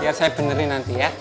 biar saya benerin nanti ya